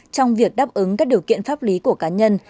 trong việc đáp ứng các điều kiện pháp lý của cá nhân